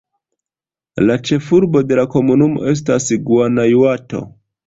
La ĉefurbo de la komunumo estas Guanajuato.